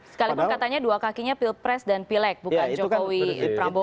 sekalipun katanya dua kakinya pilpres dan pilek bukan jokowi prabowo